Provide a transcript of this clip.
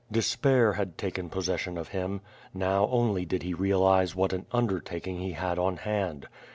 Despair had taken possession of him. Now only did he realize what an undertaking he had on hand.